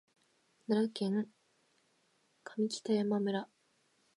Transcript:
奈良県上北山村